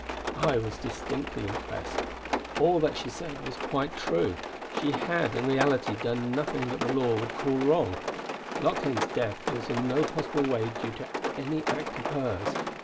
I was distinctly impressed, for all that she said was quite true. She had in reality done nothing that the law would call wrong. Lauchlane's death was in no possible way due to any act of hers.